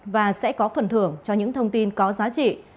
và sẽ có phần thưởng cho những thông tin có giá trị